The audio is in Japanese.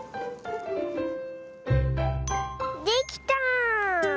できた！